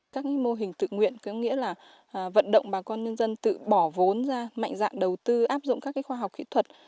các mô hình tự nguyện có nghĩa là vận động bà con nhân dân tự bỏ vốn ra mạnh dạng đầu tư áp dụng các khoa học kỹ thuật